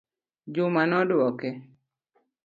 Juma nodwoke